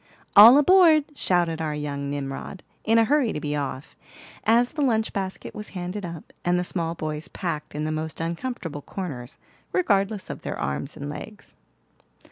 "All aboard!" shouted our young Nimrod, in a hurry to be off, as the lunch basket was handed up, and the small boys packed in the most uncomfortable corners, regardless of their arms and legs.